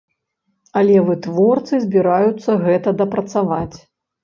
Але вытворцы збіраюцца гэта дапрацаваць.